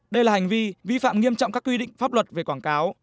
đây là hành vi vi phạm nghiêm trọng các quy định pháp luật về quảng cáo